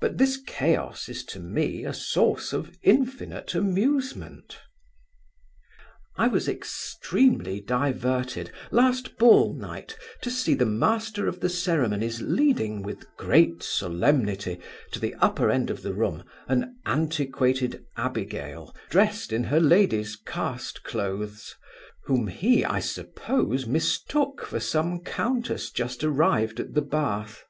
But this chaos is to me a source of infinite amusement. I was extremely diverted last ball night to see the Master of the Ceremonies leading, with great solemnity, to the upper end of the room, an antiquated Abigail, dressed in her lady's cast clothes; whom he (I suppose) mistook for some countess just arrived at the Bath.